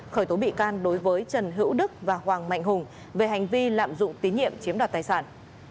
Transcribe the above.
khởi tố bị can đối với trần hữu đức và hoàng mạnh hùng về hành vi lạm dụng tín nhiệm chiếm đoạt tài sản